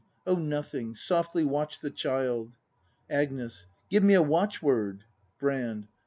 Oh, nothing. Softly watch the child. Agnes. Give me a watchword. Brand.